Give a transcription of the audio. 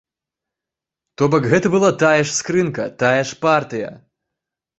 То бок гэта была тая ж скрынка, тая ж партыя.